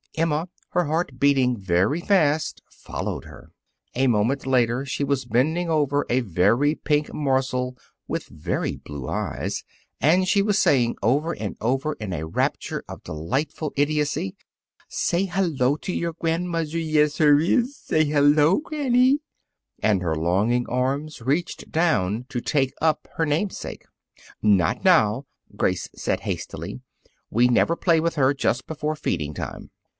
Emma, her heart beating very fast, followed her. A moment later she was bending over a very pink morsel with very blue eyes and she was saying, over and over in a rapture of delightful idiocy: "Say hello to your gran muzzer, yes her is! Say, hello, granny!" And her longing arms reached down to take up her namesake. "Not now!" Grace said hastily. "We never play with her just before feeding time.